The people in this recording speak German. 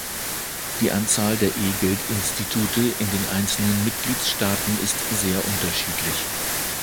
Die Anzahl der E-Geld-Institute in den einzelnen Mitgliedstaaten ist sehr unterschiedlich.